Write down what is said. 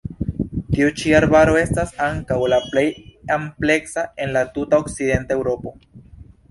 Tiu ĉi arbaro estas ankaŭ la plej ampleksa el la tuta okcidenta Eŭropo.